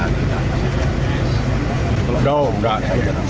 tidak tidak tidak